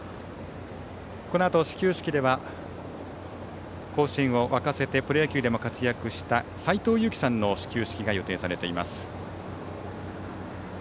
このあと始球式では甲子園を沸かせてプロ野球でも活躍した斎藤佑樹さんの始球式が予定されています。